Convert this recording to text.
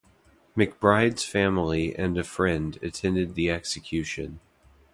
McBride's family and a friend attended the execution.